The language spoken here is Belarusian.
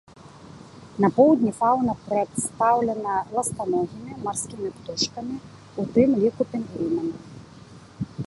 На поўдні фаўна прадстаўлена ластаногімі, марскімі птушкамі, у тым ліку пінгвінамі.